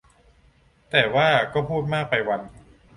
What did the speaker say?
แต่ว่าก็พูดมากไปวัน